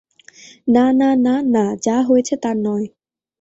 না না না - না, যা হয়েছে তা নয়।